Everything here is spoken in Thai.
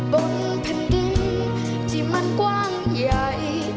บนแผ่นดินที่มันกว้างใหญ่